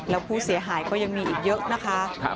แล้วผู้เสียหายก็ยังมีอีกเยอะนะคะ